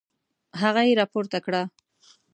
هغه يې راپورته کړه.